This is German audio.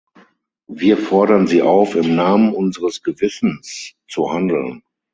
Wir fordern Sie auf, im Namen unseres Gewissens zu handeln.